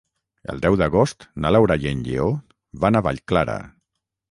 El deu d'agost na Laura i en Lleó van a Vallclara.